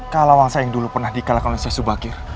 kalawaksa yang dulu pernah di kalahkan oleh sesubakir